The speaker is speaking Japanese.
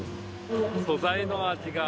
素材の味？